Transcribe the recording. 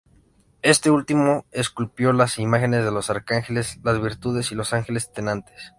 Este último esculpió las imágenes de los arcángeles, las virtudes y los ángeles tenantes.